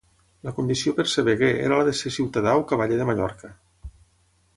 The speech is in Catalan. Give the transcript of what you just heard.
La condició per ser veguer era la de ser ciutadà o cavaller de Mallorca.